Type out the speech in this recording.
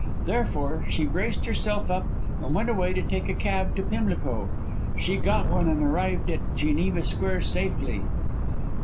Therefore, she braced herself up and went away to take a cab to Pimlico. She got one and arrived at Geneva Square safely."